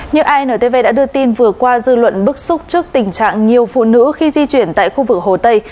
như intv đã đưa tin vừa qua dư luận bức xúc trước tình trạng nhiều phụ nữ khi di chuyển tại khu vực hồ tây